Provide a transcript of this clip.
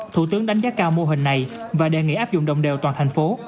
thủ tướng đánh giá cao mô hình này và đề nghị áp dụng đồng đều toàn thành phố